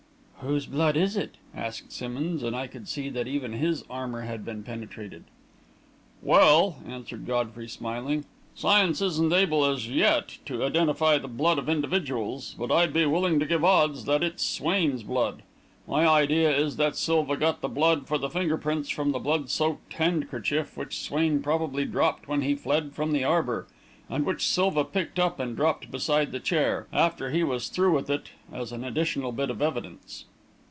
"Whose blood is it?" asked Simmonds, and I could see that even his armour had been penetrated. "Well," answered Godfrey, smiling, "science isn't able, as yet, to identify the blood of individuals; but I'd be willing to give odds that it's Swain's blood. My idea is that Silva got the blood for the finger prints from the blood soaked handkerchief, which Swain probably dropped when he fled from the arbour, and which Silva picked up and dropped beside the chair, after he was through with it, as an additional bit of evidence."